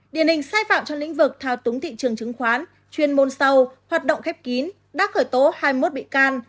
điển hình sai phạm trong lĩnh vực thao túng thị trường chứng khoán chuyên môn sâu hoạt động khép kín đã khởi tố hai mươi một bị can